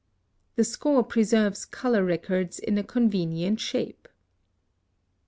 ] +The score preserves color records in a convenient shape.